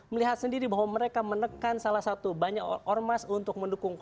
melihat sendiri bahwa mereka menekan salah satu banyak ormas untuk mendukung